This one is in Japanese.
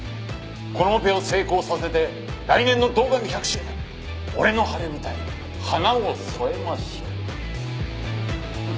このオペを成功させて来年の堂上１００周年俺の晴れ舞台に花を添えましょう。